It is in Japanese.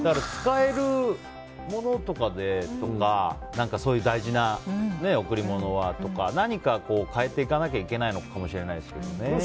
使えるものとかで、とかそういう大事な贈り物は、とか何か変えていかなきゃいけないかなと思いますけどね。